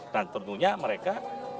dan tentunya mereka